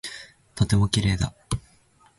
とても綺麗だ。